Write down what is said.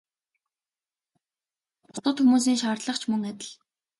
Бусад хүмүүсийн шаардлага ч мөн адил.